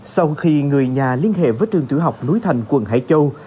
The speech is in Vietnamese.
sau khi người nhà liên hệ với trường tiểu học núi thành quận hải châu